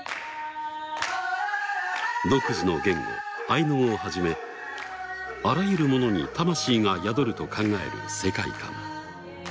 独自の言語アイヌ語をはじめあらゆるものに魂が宿ると考える世界観。